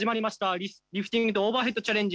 リフティングとオーバーヘッドチャレンジ！